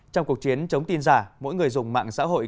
trong cuộc chiến chống tin giả mỗi người dùng mạng xã hội